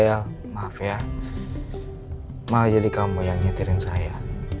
ya maaf ya malah jadi kamu yang nyetirin saya